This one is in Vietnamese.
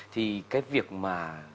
thì cái việc mà